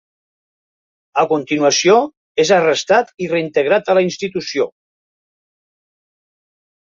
A continuació, és arrestat i reintegrat a la institució.